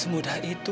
saya sudah takut